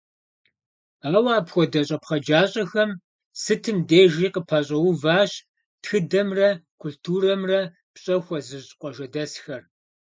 Ауэ апхуэдэ щӀэпхъаджащӀэхэм сытым дежи къапэщӀэуващ тхыдэмрэ культурэмрэ пщӀэ хуэзыщӀ къуажэдэсхэр.